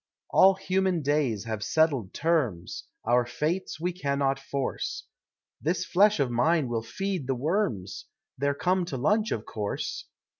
All human days have settled terms, Our fates we cannot force; This flesh of mine will feed the worms They're come to lunch of course!